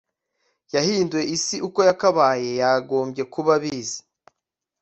yahinduye isi uko yakabaye yagombye kuba abizi